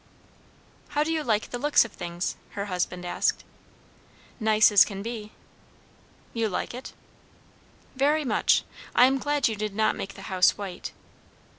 "How do you like the looks of things?" her husband asked. "Nice as can be." "You like it?" "Very much. I am glad you did not make the house white."